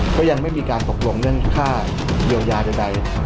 ก็ยังไม่มีการตกลงเรื่องค่าเยียวยาใด